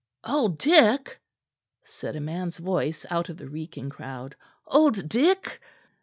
"Old Dick?" said a man's voice out of the reeking crowd, "Old Dick?"